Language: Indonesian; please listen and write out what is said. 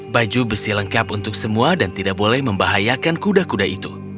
baju besi lengkap untuk semua dan tidak boleh membahayakan kuda kuda itu